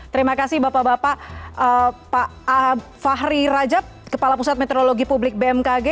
terima kasih bapak bapak pak fahri rajab kepala pusat meteorologi publik bmkg